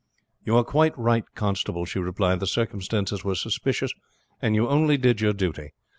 "You are quite right, constable," she replied. "The circumstances were suspicious, and you only did your duty.